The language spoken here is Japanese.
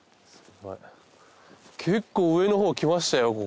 結構上のほう来ましたよ